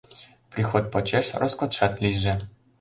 Приход почеш роскотшат лийже.